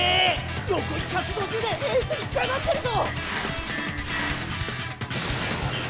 残り１５０でエースに迫ってるぞ！